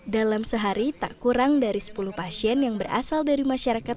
dalam sehari tak kurang dari sepuluh pasien yang berasal dari masyarakat